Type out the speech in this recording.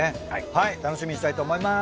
はい楽しみにしたいと思います。